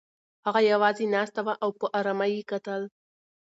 هغه یوازې ناسته وه او په ارامۍ یې کتل.